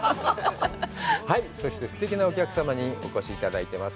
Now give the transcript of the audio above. はい、そして、すてきなお客様にお越しいただいています。